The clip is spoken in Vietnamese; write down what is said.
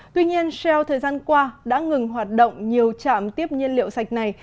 tuy nhiên sheel thời gian qua đã ngừng hoạt động nhiều trạm tiếp nhiên liệu sạch này